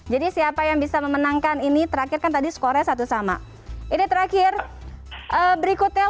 jadi siapa yang bisa memenangkan ini terakhirkan tadi skornya satu sama ini terakhir berikutnya